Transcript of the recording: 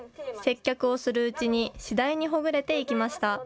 接客をするうちに次第にほぐれていきました。